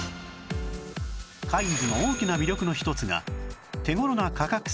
カインズの大きな魅力の一つが手頃な価格設定